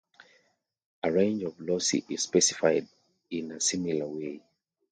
A range of loci is specified in a similar way.